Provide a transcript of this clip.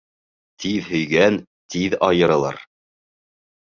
Тиҙ һөйгән тиҙ айырылыр.